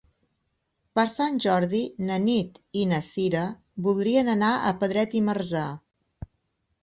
Per Sant Jordi na Nit i na Cira voldrien anar a Pedret i Marzà.